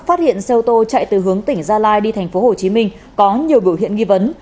phát hiện xe ô tô chạy từ hướng tỉnh gia lai đi thành phố hồ chí minh có nhiều biểu hiện nghi vấn